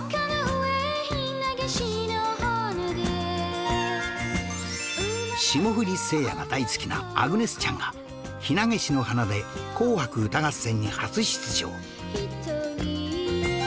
『ひなげしの花』霜降りせいやが大好きなアグネス・チャンが『ひなげしの花』で『紅白歌合戦』に初出場